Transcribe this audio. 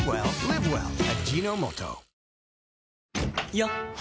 よっ！